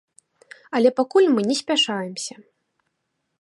Але пакуль мы не спяшаемся.